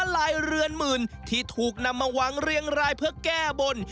ลายเรือนหมื่นที่ถูกนำมาวางเรียงรายเพื่อแก้บน